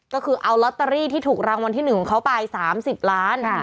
ก็คือเอาลอตเตอรี่ที่ถูกรางวัลที่๑ของเขาไป๓๐ล้าน